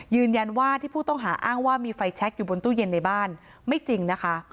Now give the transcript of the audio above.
ยืนยันว่าที่ผู้ต้องหาอ้างว่ามีไฟแชคอยู่บนตู้เย็นในบ้านไม่จริงนะคะ